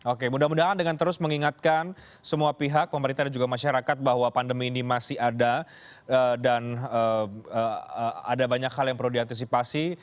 oke mudah mudahan dengan terus mengingatkan semua pihak pemerintah dan juga masyarakat bahwa pandemi ini masih ada dan ada banyak hal yang perlu diantisipasi